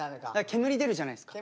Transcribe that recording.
煙出るじゃないですか。